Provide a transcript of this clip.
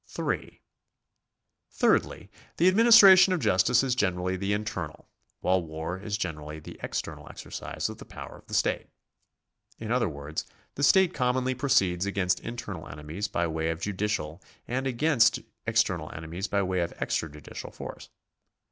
3. Thirdly, the administration of justice is generally the internal, while war is generally the external exercise of the power of the state. In other words, the state commonly pro ceeds against internal enemies by way of judicial, and against external enemies by way of extrajudicial force.